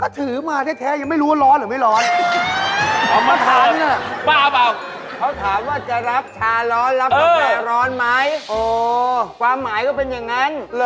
ก็ถือมาได้แท้ยังไม่รู้ว่าร้อนหรือไม่ร้อนเหมาะนี่แหละบ้าเปล่า